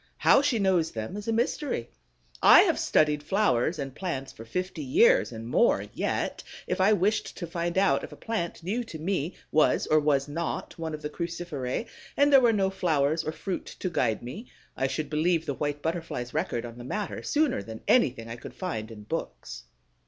How she knows them is a mystery. I have studied flowers and plants for fifty years and more, yet, if I wished to find out if a plant new to me was or was not one of the Cruciferæ, and there were no flowers or fruit to guide me, I should believe the White Butterfly's record on the matter sooner than anything I could find in books.